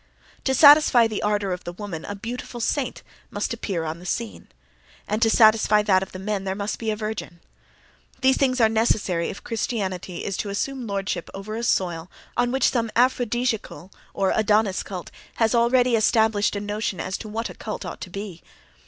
To satisfy the ardor of the woman a beautiful saint must appear on the scene, and to satisfy that of the men there must be a virgin. These things are necessary if Christianity is to assume lordship over a soil on which some aphrodisiacal or Adonis cult has already established a notion as to what a cult ought to be.